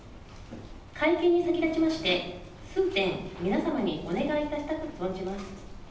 会見に先立ちまして、数点、皆様にお願いいたしたく存じます。